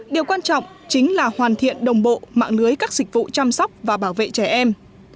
điều quan trọng chính là hoàn thiện đồng bộ mạng lưới các dịch vụ chăm sóc và bảo vệ trẻ em